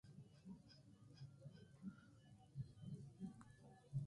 افغانستان د هرات له پلوه له نورو هېوادونو سره اړیکې لري.